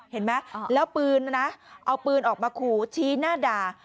เห็นไหมแล้วปืนนะเอาปืนออกมาขู่ชี้หน้าด่า